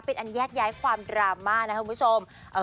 เป็นอันแยกย้ายความดราม่านะครับคุณผู้ชม